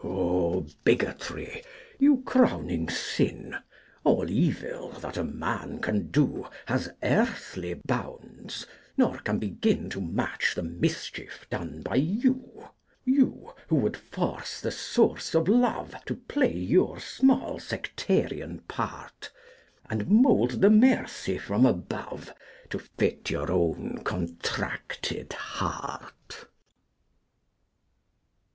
···· O Bigotry, you crowning sin! All evil that a man can do Has earthly bounds, nor can begin To match the mischief done by you You, who would force the source of love To play your small sectarian part, And mould the mercy from above To fit your own contracted heart.